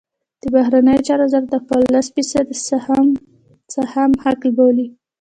د بهرنیو چارو وزارت د خپل لس فیصدۍ سهم حق بولي.